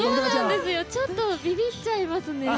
ちょっとびびっちゃいますね。